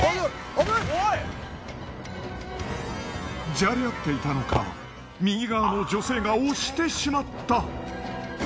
じゃれあっていたのか右側の女性が押してしまった。